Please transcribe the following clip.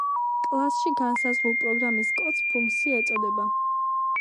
კლასში განსაზღვრულ პროგრამის კოდს ფუნქცია ეწოდება.